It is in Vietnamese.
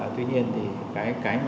tuy nhiên thì cái mà cần bây giờ